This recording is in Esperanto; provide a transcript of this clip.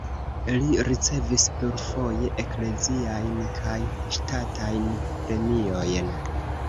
Li ricevis plurfoje ekleziajn kaj ŝtatajn premiojn.